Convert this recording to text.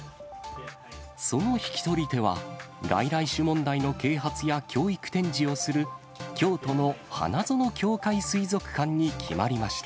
その引き取り手は、外来種問題の啓発や教育展示をする京都の花園教会水族館に決まりました。